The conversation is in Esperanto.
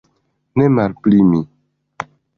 Ne malpli mi.